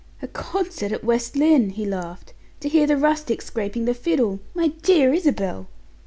"A concert at West Lynne!" he laughed. "To hear the rustics scraping the fiddle! My dear Isabel!"